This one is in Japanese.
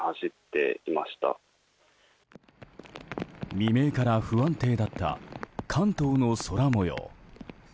未明から不安定だった関東の空模様。